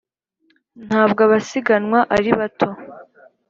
ntabwo abasiganwa ari bato?